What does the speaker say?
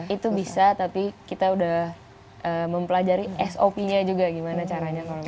itu bisa tapi kita udah mempelajari sopnya juga gimana caranya kalau misalnya